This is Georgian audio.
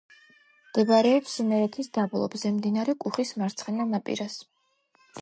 მდებარეობს იმერეთის დაბლობზე, მდინარე კუხის მარცხენა ნაპირას.